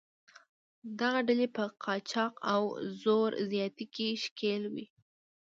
دغه ډلې په قاچاق او زور زیاتي کې ښکېل وې.